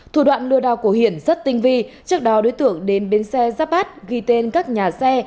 thủ đoạn lừa đào của hiển rất tinh vi trước đó đối tượng đến bến xe giáp bát ghi tên các nhà xe